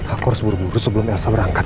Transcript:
aku harus buru buru sebelum elsa berangkat